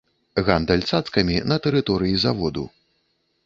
Гандаль цацкамі на тэрыторыі заводу.